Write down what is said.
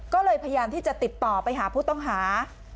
ก็เลยพยายามที่จะติดต่อไปหาผู้ต้องหา